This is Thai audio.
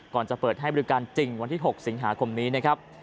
ก่อนจะเปิดให้บริการจริงวันที่๖สิงหาคมนี้นะครับ